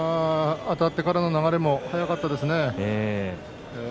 あたってからの流れも速かったですね。